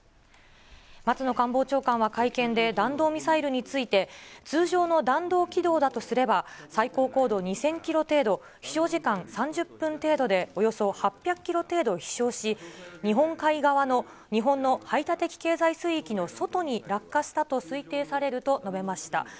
松野官房長官は会見で、弾道ミサイルについて、通常の弾道軌道だとすれば、最高高度２０００キロ程度、飛しょう時間３０分程度で、およそ８００キロ程度飛しょうし、日本海側の日本の排他的経済水域の外に落下したと推定されると述べました。